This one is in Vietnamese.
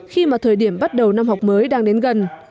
khi mà thời điểm bắt đầu năm học mới đang đến gần